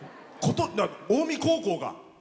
近江高校が。